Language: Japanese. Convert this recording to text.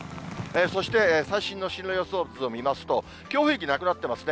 そして、最新の進路予想図を見ますと、強風域なくなってますね。